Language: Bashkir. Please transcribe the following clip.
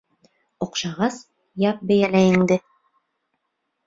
Оҡшағас, яп бейәләйеңде.